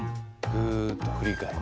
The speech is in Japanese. ふっと振り返る。